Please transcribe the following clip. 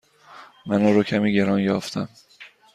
من آن را کمی گران یافتم.